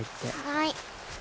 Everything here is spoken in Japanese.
はい。